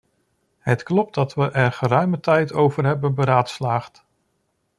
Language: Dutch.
Het klopt dat we er geruime tijd over hebben beraadslaagd.